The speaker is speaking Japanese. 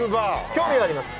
興味あります。